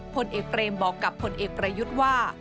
ผลเอกเบรมบอกกับผลเอกประยุทธ์ว่า